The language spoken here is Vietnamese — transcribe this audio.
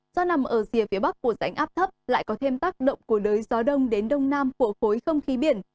do nằm ở dìa phía bắc của rãnh áp thấp lại có thêm tác động của đới gió đông đến đông nam phổ phối không khí biển